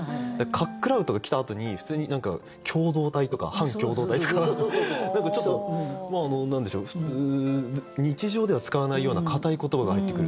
「かっ食らう」とか来たあとに普通に何か「共同体」とか「反共同体」とか何かちょっと普通日常では使わないような硬い言葉が入ってくる。